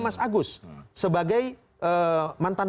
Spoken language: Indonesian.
template ya k ingenius maaf ya